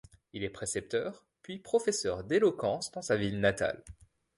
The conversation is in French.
Il est précepteur, puis professeur d'éloquence dans sa ville natale.